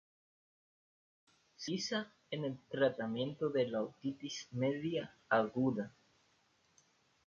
Se utiliza en el tratamiento de la otitis media aguda repetitiva.